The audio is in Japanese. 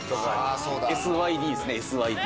ＳＹＤですねＳＹＤ。